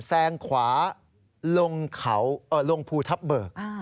แซงขวาลงพูทับเบิก